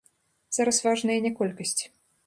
Зараз важная не колькасць.